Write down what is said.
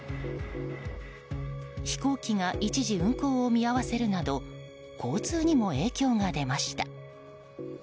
飛行機が一時、運航を見合わせるなど交通にも影響が出ました。